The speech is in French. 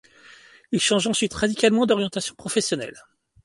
Il change ensuite radicalement d’orientation professionnelle.